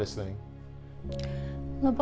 apa yang paling sukar